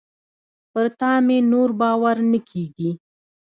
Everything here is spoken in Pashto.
پر تا مي نور باور نه کېږي .